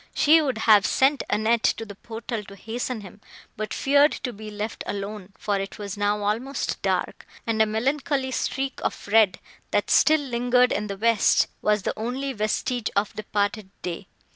She would have sent Annette to the portal to hasten him, but feared to be left alone, for it was now almost dark, and a melancholy streak of red, that still lingered in the west, was the only vestige of departed day.